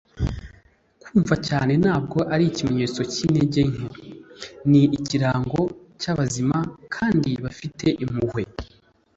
kumva cyane ntabwo ari ikimenyetso cyintege nke, ni ikirango cyabazima kandi bafite impuhwe